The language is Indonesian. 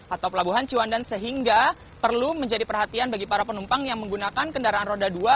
atau pelabuhan ciwandan sehingga perlu menjadi perhatian bagi para penumpang yang menggunakan kendaraan roda dua